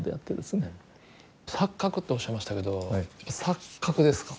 錯覚っておっしゃいましたけど錯覚ですか。